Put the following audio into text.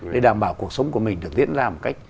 để đảm bảo cuộc sống của mình được diễn ra một cách